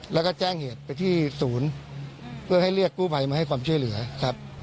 แล้วก็แจ้งเหตุไปที่ศูนย์เพื่อให้เรียกกู้ภัยมาให้ความช่วยเหลือครับ